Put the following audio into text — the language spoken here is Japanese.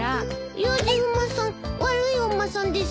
やじ馬さん悪いお馬さんですか。